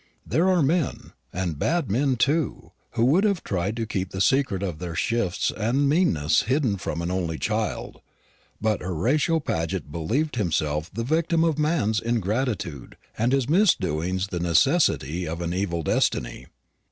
There are men and bad men too who would have tried to keep the secret of their shifts and meannesses hidden from an only child; but Horatio Paget believed himself the victim of man's ingratitude, and his misdoings the necessity of an evil destiny.